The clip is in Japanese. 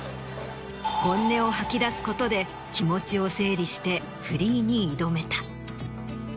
本音を吐き出すことで気持ちを整理してフリーに挑めた。